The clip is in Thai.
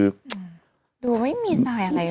ดูไม่มีสไตล์อะไรเลย